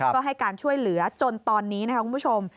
ก็ให้การช่วยเหลือจนตอนนี้นะครับคุณผู้ชม